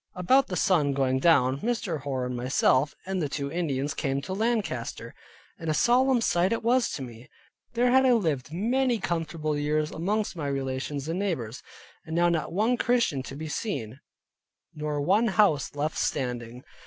About the sun going down, Mr. Hoar, and myself, and the two Indians came to Lancaster, and a solemn sight it was to me. There had I lived many comfortable years amongst my relations and neighbors, and now not one Christian to be seen, nor one house left standing.